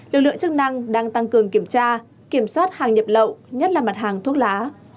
lực lượng chức năng đang tăng cường kiểm tra kiểm soát hàng nhập lậu nhất là mặt hàng thuốc lá